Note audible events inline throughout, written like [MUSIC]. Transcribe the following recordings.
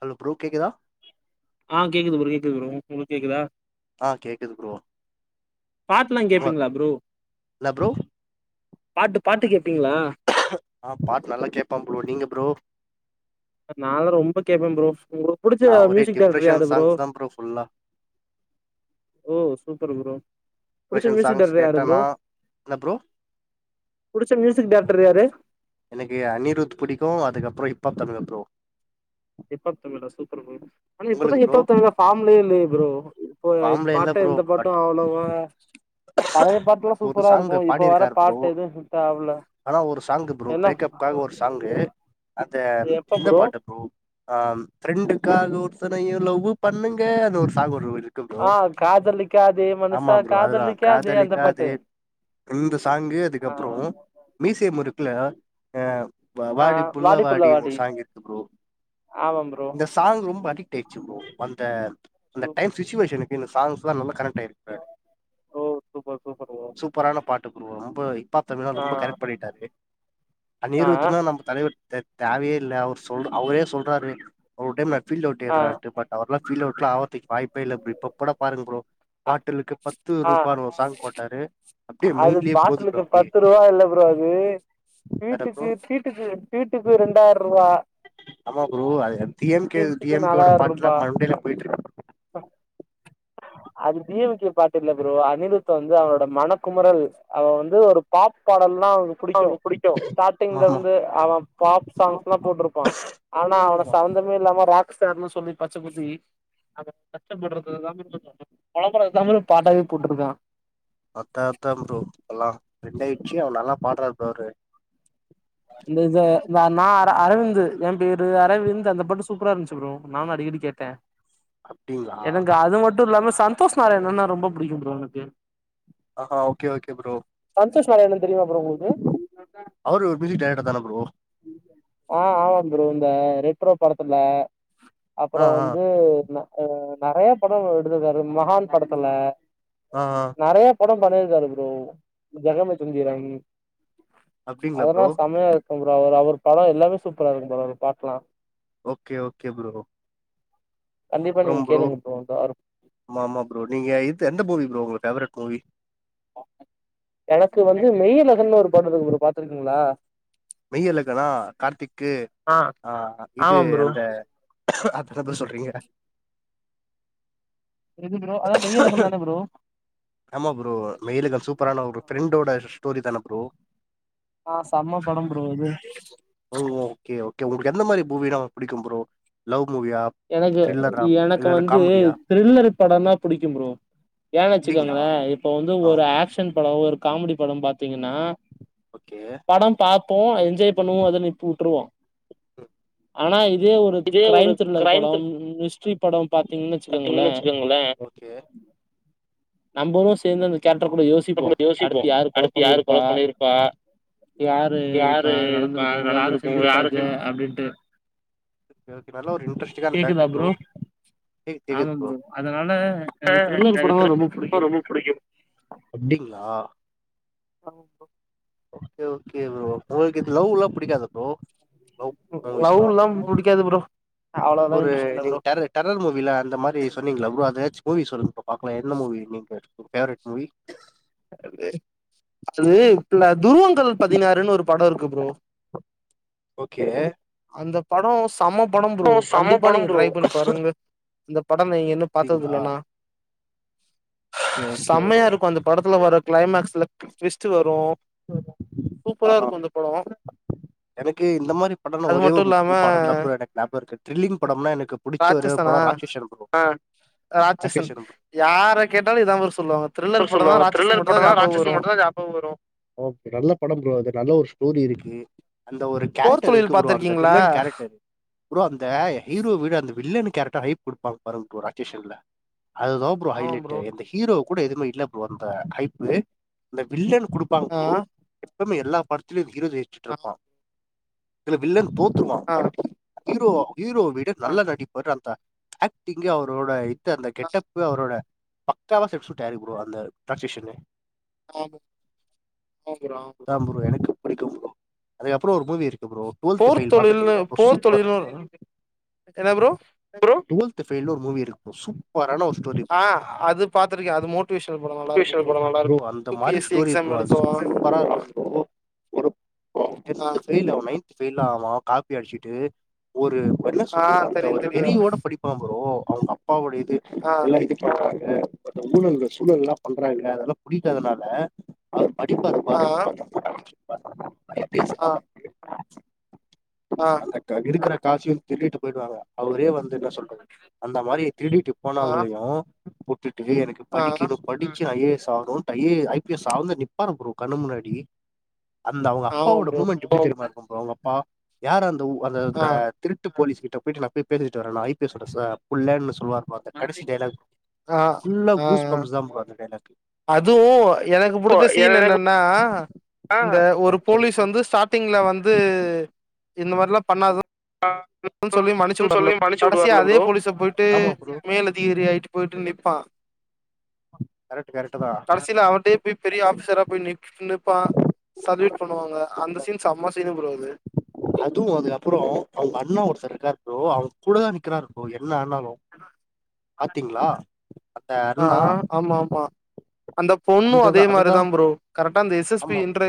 hello bro கேக்குதா ஆ கேக்குது ப்ரோ கேக்குது ப்ரோ உங்களுக்கு கேக்குதா ஆ கேக்குது ப்ரோ பாட்டுலா கேப்பீங்களா இல்ல ப்ரோ ப்ரோ பாட்டு பாட்டு கேப்பீங்ளா ஆ பாட்டு நல்லா கேப்பே ப்ரோ நீங்க ப்ரோ நானு ரொம்ப கேப்பே ப்ரோ உங்களுக்கு புடிச்ச நா ஒரே மியூசிக் டேரக்டர் டிப்ரெஷன் யாரு ப்ரோ சாங்ஸ் தா ஃபுல்லா ஓ சூப்பர் ப்ரோ புடிச்ச டிப்ரெஷன் மியூசிக் சாங்ஸ் டேரக்டர் யாரு ப்ரோ கேட்டனா என்ன ப்ரோ புடிச்ச மியூசிக் டேரக்டர் யாரு எனக்கு அனிருத் பிடிக்கு அதுக்கப்பறோ hip-hop Tamizha bro hip-hop Tamizha super bro ஆனா இப்பதா உங்களுக்கு ப்ரோ ஹிப்பாப் தமிழா பார்ம்லயே இல்லயே ப்ரோ இப்ப ஃபார்ம்ல இல்ல பாட்டு ப்ரோ எந்த பாட்டு பட் அவ்ளவா பழைய பாட்டுல்லா பட் ஒரு சூப்பரா சாங் இருக்கு இப்ப வர பாடிருக்காரு ப்ரோ பாட்டு எதுவு ஹிட் ஆவல ஆனா ஒரு சாங் ப்ரோ என்ன பிரேக்கப்காக ஒரு சாங்கு அந்த இந்த பாட்டு ப்ரோ ஆ ஃப்ரெண்டுக்காக ஒருத்தனையு லவ்வு பண்ணுங்க அந்த ஒரு சாங்கு ஒன்னு இரு ப்ரோ ஆ காதலிக்காதே ஆமா மனுஷா ப்ரோ அதுதா காதலிக்காதே அந்த பாட்டு காதலிக்காதே இந்த சாங்கு ஆ அதுக்கப்றோ மீசைய முருக்குல ஆ வாடி புள்ள வாடின்னு ஒரு சாங்கு இருக்கு ப்ரோ ஆமா ப்ரோ சாங் ரொம்ப அடிக்ட் ஆயிடுச்சு ப்ரோ அந்த அந்த சூப்பர் டைம் சுச்சுவேஷனுக்கு இந்த சாங்ஸ்ல்லா நல்லா கனெக்ட் ஆயிருக்கு ரெடி ஓ சூப்பர் சூப்பர் ப்ரோ சூப்பரான பாட்டு ப்ரோ ரொம்ப ஹிப்பாப் தமிழா ஆ ரொம்ப கனெக்ட் பண்ணிட்டாரு ஆ அனிரூத்ன்னா நம்ம தலைவர் தே தேவயே இல்ல அவர் சொல் அவரே சொல்றாரு ஒரு டைம் நா ஃபீல்ட் ஆ அவுட்ன்றாரு பட் அவர்ல்லா ஃபீல்ட் அவுட்லா ஆவுரதுக்கு வாய்ப்பே இல்ல இப்ப கூட பாருங்க ப்ரோ ஆ பாட்டுலுக்கு பத்து ஆ ரூபான்னு ஒரு சாங்க் போட்டாரு அப்டியே அது மைண்ட்லயே போது ப்ரோ பாட்டுலுக்கு அப்டியே பத்து ரூவா இல்ல ப்ரோ அது வேற ப்ரோ வீட்டுக்கு வீட்டுக்கு வீட்டுக்கு ரெண்டாயிர ரூவா ஆமா ப்ரோ அது டி எம் கே டி ரீல்ஸுக்கு எம் கேயோட நாலாயிர பாட்டுலா ரூபா மண்டேல போயிட்டு இருக்கு அது டி எம் கே பாட்டு இல்ல ப்ரோ அனிருத் வந்து அவரோட மனக் குமறல் அத வந்து ஒரு பாட்டு பாடனுன்னா அவனுக்கு புடிக்கு ஸ்டார்ட்டிங்ல ஆமா இருந்து அவே பாப் சாங்ஸ்ல்லா ஆமா போட்ருப்பா ஆனா அவன சார்ந்த எதுமே இல்லாம ராக் ஸ்டார்ன்னு சொல்லி பச்ச குத்தி பொலம்புறத தான அவே பாட்டாவே போட்ருக்கா அதா அதா ப்ரோ எல்லா டிரெண்ட் ஆயிடுச்சி ஆனா நல்லா பாடுறாரு ப்ரோ அவரு இந்த இத இந்த நா அர அரவிந்த் ஏ பேரு அரவிந்த் அந்த பாட்டு சூப்பரா இருந்துச்சு ப்ரோ நானு அடிக்கடி கேட்டே [INAUDIBLE] எனக்கு அது மட்டு இல்லாம சந்தோஷ் நாராயணன்னா ரொம்ப பிடிக்கு ப்ரோ எனக்கு ஆஹா okay okay bro Santhosh Narayanan தெரியுமா ப்ரோ உங்களுக்கு அவரு ஒரு மியூசிக் டேரெக்டர் தான ப்ரோ ஆ ஆமா ப்ரோ இந்த ரெட்ரோ படத்துல ஆ அப்பறோ ஆ வந்து நெ நெறைய படோ எடுத்திருக்காரு மகான் படத்துல ஆ ஆ நெறைய படோ பண்ணிருக்காரு ப்ரோ ஜெகமே தந்திரன் அப்டிங்களா ப்ரோ செம்மையா இருக்கு ப்ரோ அவர் அவர் படோ எல்லாமே சூப்பரா இருக்கு ப்ரோ அவரு பாட்டுலா ஓகே ஓகே ப்ரோ கண்டிப்பா நீங்க கேளுங்க ப்ரோ இந்த வாரோ ஆமா ஆமா ப்ரோ நீங்க இது எந்த மூவி ப்ரோ உங்க பேவரெட் மூவி எனக்கு வந்து மெய்யழகன்னு ஒரு படோந்துரு பாத்துருக்கீங்களா மெய்யழகனா கார்த்திக்கு ஆ இது ஆமா ப்ரோ அந்த அப்டிதா ப்ரோ சொல்றீங்க இது ப்ரோ அதா மெய்யழகன் தான ப்ரோ ஆமா ப்ரோ மெய்யழகன் சூப்பரான ஒரு ஃப்ரெண்ட்டோட ஸ்டோரி தான ப்ரோ ஆ செம்ம படோ ப்ரோ அது ஓ ஓகே ஓகே உங்களுக்கு எந்த மாதிரி பூவினா புடிக்கு ப்ரோ லவ் மூவியா எனகு த்ரில்லரா எனக்கு இல்ல வந்து காமெடியா த்ரில்லர் படம் தா புடிக்கு ப்ரோ ஏன்னு அப்டிங்களா ச்சுக்கோங்களே இப்ப வந்து ஆ ஒரு ஆக்ஷன் படம் ஒரு காமெடி படம் பாத்தீங்கன்னா ஓகே படம் பாப்போ என்ஜாய் பண்ணுவோ அதனிப் வுட்டுருவோ ஆனா இதே ஒரு க்ரைம் த்ரில்லர் கிரைம் த்ரில் படம் ஹிஸ்டரி படொ பாத்தீங்கன்னு வச்சுக்கோங்களே பாத்தீங்கன்னு வச்சுக்கோங்களே நம்பளு சேந்து அந்த கேரக்டர் கூட யோசிப்போ கூட யோசிப்போ அடுத்து யாரு கொல அடுத்து யாரு பண்ணிருப்பா கொல பண்ணிருப்பா யாரு ப யாரு இப்ப நடந்திருக்கு யாரு செஞ்சிருப்பா இத அப்டின்ட்டு எனக்கீ நல்ல ஒரு இன்ட்ரெஸ்டிங்கான ஃபேக்ட் ப்ரோ கேக் கேக்குது ஆமா ப்ரோ அதனால ஆ எனக்கு த்ரில்லர் நாங்க படம்னா ரொம்ப இப்பத ரொம்ப புடிக்கு அப்டிங்களா ஆமா ப்ரோ ஓகே ஓகே ப்ரோ ஒங்களுக்கு இது லவ் ல்லா புடிக்காதா ப்ரோ நோ நோவ் இஸ்லாம் லவ்ல்லா புடிக்காது ப்ரோ அவ்ளோலா ஒரு இன்ட்ரெஸ்ட் இல்ல நீங்க ப்ரோ டரூ டெரர் மூவில அந்த மாரி சொன்னிங்கள்ல லவ்ஆதச் மூவி சொல்லுங்க ப்ரோ பாக்கலா என்ன மூவி நீங்க ஃபேவரைட் மூவி நல்லது அது நா துருவங்கள் பதினாறுன்னு ஒரு படம் இருக்கு ப்ரோ ஓகே அந்த படம் சம்ம படம் ப்ரோ செம கண்டிப்பா படம் நீங்க ப்ரோ ட்ரை பண்ணி பாருங்க இந்த படம் நீங்க இன்னு பாத்தது அப்டிங்களா இல்லனா ஓகே ஓகே ப்ரோ செம்மையாருக்குஅந்த படத்துல வர கிளைமாக்ஸ்ல ட்விஸ்ட் வரு ஆஹா சூப்பராருக்கு அந்த படோ எனக்கு இந்த மாரி படன்னா அது ஒரே மட்டு இல்லாம ஒரு படம் தா ப்ரோ எனக்கு ஞாபம் இருக்கு த்ரில்லிங் படம்னா எனக்கு புடிச்ச ஒரே ஒரு படோ ராட்சசன் படம் ஆ ராட்சஷன் யார கேட்டாலும் இதா ப்ரோ சொல்லுவாங்க த்ரில்லர் படோனா ராட்சஷன் படோ தா ஞாபகம் வரு ஸ்டோரி ஆபோ வரு ஒ நல்ல படோ ப்ரோ அது நல்ல ஒரு ஸ்டோரி இருக்கு அந்த ஒரு கேரக்டர் ருக்கு போர்த்தொழில் ப்ரோ அந்த பாத்திருக்கீங்களா வில்லன் கேரக்டர் ப்ரோ அந்த ஹீரோ விட அந்த வில்லன் கேரக்டர் ஹைப் கொடுப்பாங் பாருங்க ப்ரோ அகேஷன்ல அதுதா ப்ரோ ஹைலைட்டே இந்த ஹீரோ கூட எதுவுமே இல்ல ப்ரோ அந்த ஹைப்பு இந்த வில்லன் குடுப் பாங்க ஆ ப்ரோ எப்பமே எல்லா படத்திலயு ஹீரோ ஆ ஜெயிச்சுட்டுருப்பா இதுல வில்லன் தோத் துவா ஆ பட் ஹீரோ ஹீரோவ விட ஆமா நல்ல நடிப்பாரு அந்த ஆக்டிங்கு அவரோட அடுத் அந்த கெட்டப்பு அவரோட பக்காவா சப்ஷ்டியூட் ஆயிருக்கு ப்ரோ அந்த ராட்செஷன்னு ஆம் ஆ ப்ரோ அதா ப்ரோ எனக்கு புடிக்கு ப்ரோ அதுகப்றோ ஒரு மூவி இருக் ப்ரோ டுவல்த் போர் ஃபெயில் தொழில்னு பாத்ருக்கீங்களா ப்ரோ போர் சூப்பர் தொழில்னு ஒரு என்ன ப்ரோ டுவல்த் ஃபெயில்னு ஒரு மூவி இருக்கு ப்ரோ சூப்பரான ஒரு ஸ்டோரி ஆ அது பாத்துருக்கே அது மோட்டிவேஷனல் படம் நல்லா இருக்கும் ப்ரோ அந்த யு பி மாரி S C story exam bro அது எழுதுவா [UNINTELLIGIBLE] சூப்பரா இருக்கு ப்ரோ ஒரு ஆ டென்த் ஃபெயில் அவன் நைன்த் ஃபெயில்லா ஆவான் காப்பி அடிச்சிட்டு ஒரு என்ன ஆ சொல்றது அந்த தெரியு ஒரு தெரியு வெறியோடே படிப் ஆமா ப்ரோ அவங்க அப்பாவுடைய இது ஆ எல்லா இதுக்கு ஆ ஊழல்கள் சூழல்லா பண்றாங்க அதெல்லா பிடிக்காதனால அவர் படிப்பாரு ஆ பாரு [INAUDIBLE] ஆ ஆ இருக்கற காசையும் திருட்டிட்டு போயிடுவாங்க அவரே வந்து என்ன சொல் அந்த மாரி திருடிட்டு ஆ போனவங்களையும் உட்டுட்டு எனக்கு ஆ படிக்கணு படிச்சி ஐ ஏ எஸ் ஆணும் I A I P S ஆ வந்து நிப்பாரு ப்ரோ கண்ணு முன்னாடி அந்த அவுங்க ஆமா அப்பாவோட ப்ரோ மூமெண்ட்டு எப்டி தெரிமா இருக்கும் ப்ரோ அவுங்க அப்பா யார் அந்த ஓ அந்த ஆ அந்த திருட்டு போலீஸ் கிட்ட போயிட்டு நா போய் பேசிட்டு வரேன் நா ஐ பி எஸோட ச புள்ளன்னு சொல்வா பாத்தேன் கடசி டைலாக் ஆ புல்லா ஆ கூஸ் பம்ஸ் தா ப்ரோ அந்த டைலாக்கு அதுவு எனக்கு ப்ரோ புடிச்ச சீன் எனக்கு என்னன்னா ஆ இந்த ஒரு ஆ சொல்லுங்க போலீஸ் வந்து ஸ்டாட்டிங்ல வந்து இந்த மாரிலா பண்ணாத ஆ சொல்லி மன்னிச்சு வுடும்ல்ல கடசியா அதே போலீஸ போயிட்டு ஆமா ப்ரோ மேல அதிகாரி ஆயிட்டு போயிட்டு நிப்பான் கரெக்ட் கரெக்ட் தா கடசியில அவர்டயே போய் பெரிய ஆபீஸரா நிக் நின்னுப்பான் சல்யூட் பண்ணுவாங்க அந்த சீன் செம்மா சீனு ப்ரோ அது அதுவும் அதுக்கப்பறம் அவுங்க அண்ணன் ஒருத்தர் இருக்காரு ப்ரோ அவரு கூட தா நிக்கராரு இப்போ என்ன ஆனாலும் பாத்தீங்களா அந்த ஆ அண்ணா ஆ ஆமா ஆமா அந்த பொண்ணும் அந்ததா அதே மாரி அதுதா தா ப்ரோ கரெக்டா அந்த எஸ் எஸ் பி ஆமா இன்டர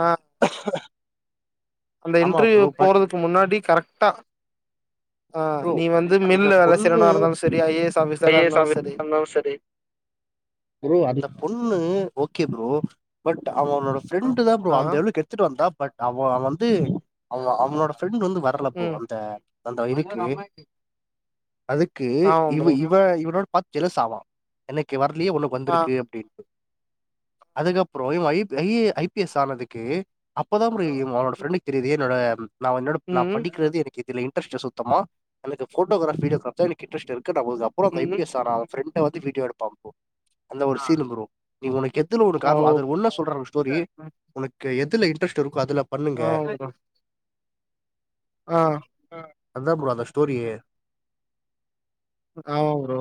ஆ அந்த ஆமா இன்டர்வியூ ப்ரோ பட் போறதுக்கு முன்னாடி கரெக்டா ஆ ப்ரோ நீ வந்து அந்த மில்ல வேல பொண்ணு செய்றவனா இருந்தாலு சரி ஐ ஏ எஸ் ஆஃபிசரா இருந்தாலு சரி [UNINTELLIGIBLE] ப்ரோ அந்த பொண்ணு ஓகே ப்ரோ பட் அவனோட ஆ ஃப்ரெண்ட் தா ப்ரோ ஆ அந்த அளவுக்கு எடுத்துட்டு வந்தா பட் அவோ வந்து அவ அவனோடே ஃப்ரெண்ட் வந்து வரல ப்ரோ ம் அந்த அந்த இதுக்கு அதுக் கு ஆமா இவ ப்ரோ இவ இவனோட பாத்து பாத்து ஜெலஸ் ஆவான் எனனைக்கு வரலயே உனக்கு ஆ வந்துருக்க அப்டின்னு அதுக்கப்பறம் இவன் I P I A I P S ஆனதுக்கு அப்பதா ப்ரோ இவன் அவனோட ஃரெண்டக்கு தெரிது என்னோட நா என்னோட நா ம் படிக்கறது எனக்கு இதுல இன்ட்ரெஸ்ல்ல சுத் தமா எனக்கு போட்டோகிராஃப் வீடியோகிராஃப் தா எனக்கு இன்ரஸ்ட் இருக்குன்ன போது அப்பறம் ஐ ம் பி எஸ் ஆன அவன் ஃப்ரெண்ட் வந்து வீடியோ எடுப்பான் இப்போ அந்த ஒரு சீனு ப்ரோ நீ உனக்கு எத்தன ஒரு ஓ காரணம் அதுல ஒண்ணா சொல்றங்க ஸ்டோரி உனக்கு எதுல இன்ட்ரஸ்ட் இருக்கோ அதுல பண்ணுங்க ஆ ஓகே தா ஆ அதா ப்ரோ அந்த ஸ்டோரியே ஆமா ப்ரோ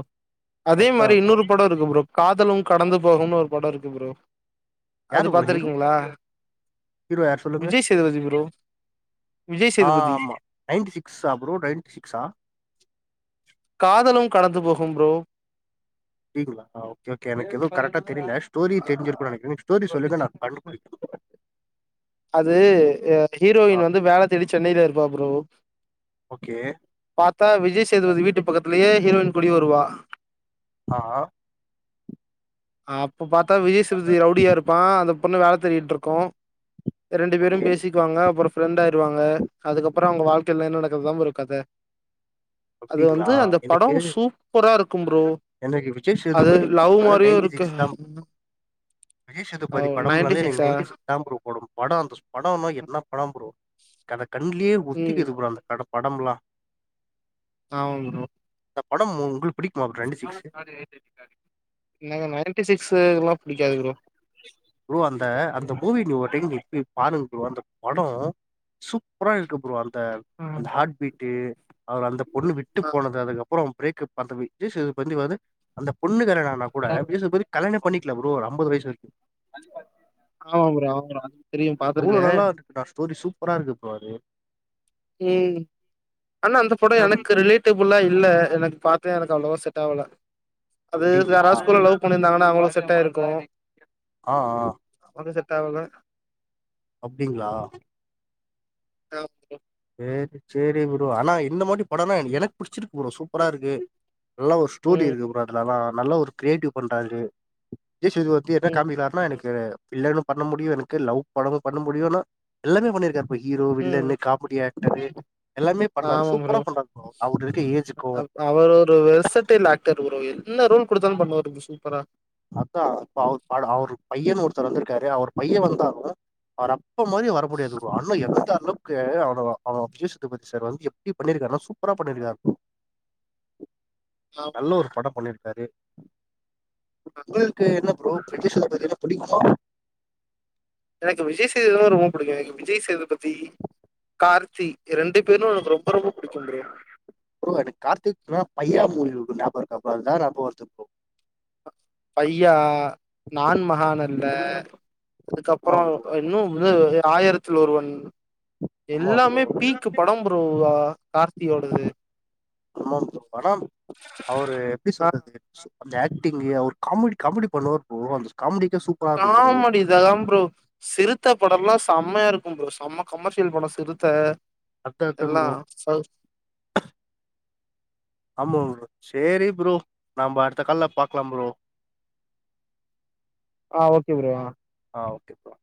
அதே மாரி அதான் ப்ரோ இன்னொரு பட இருக்கு ப்ரோ காதலும் கடந்து போகும்னு ஒரு படம் இருக்கு ப்ரோ யாரு அது ப்ரோ ஹீரோ பாத்ருக்கீங்களா ஹீரோ யார் சொல்லுங்க விஜய் சேதுபதி ப்ரோ விஜய் ஆ சேதுபதி ஆமா நைன்டி சிக்ஸா ப்ரோ நைன்டி சிக்ஸா காதலும் கடந்து போகும் ப்ரோ டீகுள்ளா ஆ ஓகே ஒகே எனக்கு எதும் கரெக்டா தெரில ஸ்டோரி தெரிஞ்சிருக்கு நெனக்கிற நீங் ஸ்டோரி சொல்லுங்க நா கண்டுபுடிக் அது ஹீரோயின் வந்து வேல தேடி சென்னையில இருப்பா ப்ரோ ஓகே பாத்தா விஜய் சேதுபதி வீட்டு பக்கத்துலயே ஹீரோயின் குடி வருவா ஆ அப்ப பாத்தா விஜய்சேத்பதி ரவுடியா இருப்பா அந்த பொண்ணு வேல தேடிகிட்ருக்கூ ரெண்டு பேரும் ஓகே பேசிக் க்குவாங்க அப்பறொ ஃப்ரெண்ட் ஆயிருவாங்க அதுக்கப்பற அவுங்க வாழ்க்கையில என்ன நடக்குதுதா ப்ரோ கத அது அப்படிங்களா வந்து அந்த படொ எனக்கு சூப்பரா இருக்கும் ப்ரோ அது லவ் மாரியு இருக்கு தாம் ஓ விஜய்சேதுபதி படம்னாலே எனக்கு சிக்ஸா நைன்டி சிக்ஸ் அதான் ப்ரோ படொ படொ அந்த ஸ் படொ என்னா படொ ப்ரோ கண கண்லயே ம் ஒத்திக்குது ப்ரோ அந்த படொ படம்பில்லா ஆமா ப்ரோ அந்த படம் உங்களுக்கு பிடிக்குமா ப்ரோ நைன்டி சிக்ஸு எனக்கு நைன்டி சிக்ஸு எல்லாம் புடிக்காது ப்ரோ ப்ரோ அந்த அந்த மூவி நீ ஒரு டைம் நீ போய் பாருங் ப்ரோ அந்த படொ சூப்பரா இருக்கு ப்ரோ அந்த ஆமா அந்த ஹாட் பீட்டு அவரு அந்த பொண்ணு விட்டு போனது அதுக்கப்புறம் பிரேக்கப் அந்த விஜய் சேதுபதி வந்து அந்த பொண்ணு தானடா ஆனா கூட ப்ரோ விஜய் சேதுபதி கல்யாணம் பண்ணிக்ல ப்ரோ ஒரு அம்பது வயசு வரைக்கூ [INAUDIBLE] ஆமா ப்ரோ ஆமா எவ்ளோ நல்லா இருக்குடா ஸ்டோரி சூப்பரா இருக்கு ப்ரோ அது ஏய் ஆனா அந்த படொ எனக்கு ரிலேட் டபுலா இல்ல எனக்கு பாத்த எனக்கு அவ்ளவா செட் ஆவுல அது அப்படிங்களா யாராவ்து ஸ்கூல்ல லவ் பண்ணி ருந்தாங்கண்ணா அவுங்களுக்கு செட் ஆயிருக்கூ ஆ ஆ பாத்த செட்டாவுல அப்டிங்ளா ஆ ப்ரோ சேரி சேரி ப்ரோ ஆனா இந்த மாரி படொன்னா எனக்கு புடிச்சிருக்கு ப்ரோ சூப்பரா இருக்கு நல்ல ஒரு ஸ்டோரி ம் இருக்கு ப்ரோ அதுலெல்லா நல்லா ஒரு கிரியேட்டிவ் பண்றாரு விஜய் சேதுபதி என்ன ம் காமிக்குறாருன்னா எனக் இங்கரு வில்லனும் பண்ண முடியு எனக்கு லவ் படமு பண்ண முடியுனா எல்லாமே பண்ணிருக்காருப்ப ஹீரோ ம் வில்லனு கா மிடி ஆக்டரு எல்லாமே பண்றாரு ஆமா சூப்பரா பண்றாரு ப்ரோ அவுரு இருக்க ஏஜ்க்கூ அவர் ஒரு வெசட்டேல் ஆக்டர் ப்ரோ என்ன ரோல் குடுத்தாலும் பண்ணுவாரு சூப்பரா பாத்தா ப அவுர் அவருடைய அவுரு பையன் ஒருத்தர் வந்திருக்காரு அவர் பைய வந்தாலு அவர் அப்பா மாரி வர முடியாது ப்ரோ அண்ண [UNINTELLIGIBLE] கே அவ அவ அக்யூஸ்ட் பதி சார் வந்து எப்டி பண்ணிருக்கானா சூப்பரா பண்ணிருக்கார் [INAUDIBLE] ஆம் நல்ல ஒரு படம் பண்ணிருக்காரு உங்களுக்கு என்ன ப்ரோ விஜய் சேதுபதின்னா புடிக்குமா எனக்கு விஜய் சேதுபதி தா ரொம்ப புடிக்கு எனக்கு விஜய் சேதுபதி கார்த்தி ரெண்டு பேரு எனக்கு ரொம்ப ரொம்ப புடிக்கும் ப்ரோ ப்ரோ எனக்கு கார்த்திக் மூ பையா மூவினு ஒன்னு ஞாபகம் இருக்கா ப்ரோ அதுதான் நாபக வர்து ப்ரோ பையா நான் மகான் அல்ல ஆமா அதுக்கப்றோ ப்ரோ இன்னு இன்னொரு வந்து ஆயிரத்தில் ஒருவன் ஆமா ப்ரோ எல்லாமே பீக்கு படோ ப்ரோ வா கார்த்தியோடது ஆமா ப்ரோ படம் அவ்ரு எப்டி ஆ சொல்றது அந்த ஆக்டிங்கு அவுர் காமடி காமடி பண்ணுவாரு ப்ரோ அந்த காம்டிக்கா சூ காமடிந்ததா ப்ரோ சிறுத்த படம்ல்லா செம்மயாருக்கு ப்ரோ செம்ம கமர்ஷியல் படோ சிறுத்த அத்த அத்த எல்லா ப்ரோ ச ஆமா ப்ரோ சேரி ப்ரோ நம்ப அடுத்த கால்ல பாக்லா ப்ரோ ஆ ஓகே ப்ரோ ஆ ஆ ஓகேப்பா